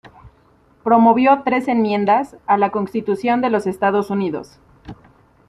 Promovió tres enmiendas a la Constitución de los Estados Unidos.